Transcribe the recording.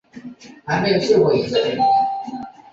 海容号成为新北洋水师主力舰之一。